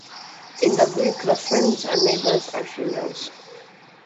In the Greek, the "friends and neighbors" are female.